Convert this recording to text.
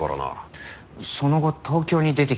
その後東京に出てきています。